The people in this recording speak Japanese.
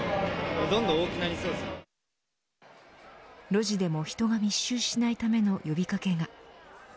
路地でも人が密集しないための呼び掛けが。